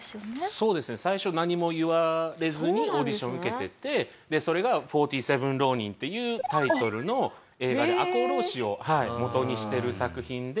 そうですね最初何も言われずにオーディション受けててそれが『４７ＲＯＮＩＮ』っていうタイトルの映画で赤穂浪士を元にしてる作品で。